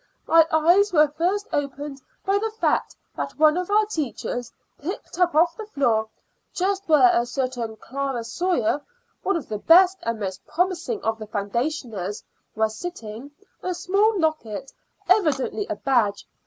My eyes were first opened by the fact that one of our teachers picked up off the floor, just where a certain Clara Sawyer, one of the best and most promising of the foundationers, was sitting, a small locket, evidently a badge.